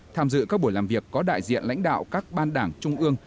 tham dự các buổi làm việc có đại diện lãnh đạo các ban đảng trung ương